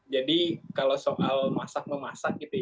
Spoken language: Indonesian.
jadi kalau soal masak memasak gitu ya